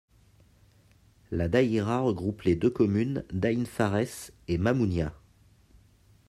La daïra regroupe les deux communes d'Aïn Fares et Mamounia.